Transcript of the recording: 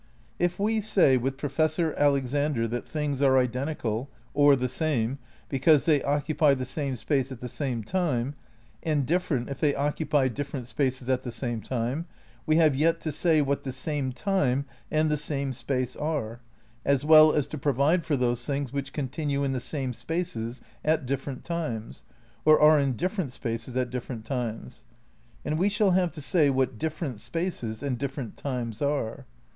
If we say with Professor Alexander that things are identical, or the same, because they occupy the same space at the same time, and different if they occupy different spaces at the same time, we have yet to say what "the same" time and "the same" space are, as well as to provide for those things which continue in the same spaces at different times, or are in different spaces at different times. And we shall have to say what "different" spaces and "different" times are.